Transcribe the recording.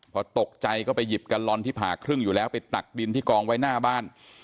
พอตกใจก็ไปหยิบกัลลอนที่ผ่าครึ่งอยู่แล้วไปตักดินที่กองไว้หน้าบ้าน